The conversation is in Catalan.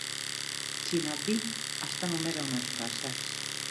China Peak està només a unes passes.